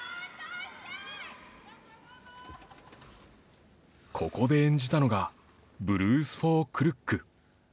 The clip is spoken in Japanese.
ここで演じたのが『ブルース・フォー・クルック』